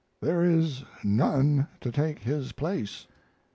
There is none to take his place."